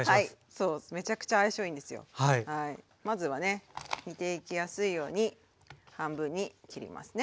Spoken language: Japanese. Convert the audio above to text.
まずはね煮ていきやすいように半分に切りますね。